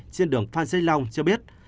trên đường phan xích long cho biết